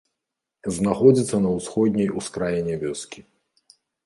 Знаходзіцца на ўсходняй ускраіне вёскі.